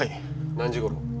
何時頃？